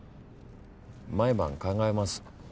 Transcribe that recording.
毎晩考えます。